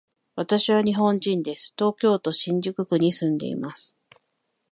私は日本人です。東京都新宿区に住んでいます。